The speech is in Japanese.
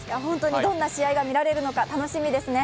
どんな試合が見られるのか楽しみですね。